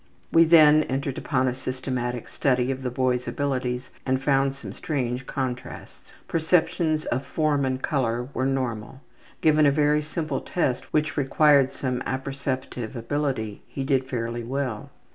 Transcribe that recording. We then entered upon a systematic study of the boy's abilities and found some strange contrasts. Perceptions of form and color were normal. Given a very simple test which required some apperceptive ability, he did fairly well.